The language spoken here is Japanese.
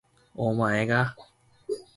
お前が工藤新一っちゅう女か